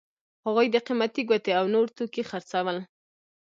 هغوی قیمتي ګوتې او نور توکي خرڅول.